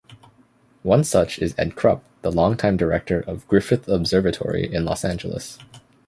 One such is Ed Krupp the long-time director of Griffith Observatory in Los Angeles.